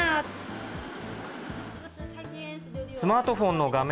スマートフォンの画面